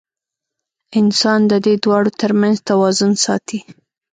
انسان د دې دواړو تر منځ توازن ساتي.